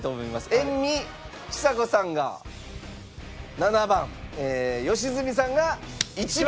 塩味ちさ子さんが７番良純さんが１番。